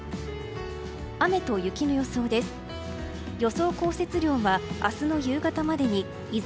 雨と雪の予想です。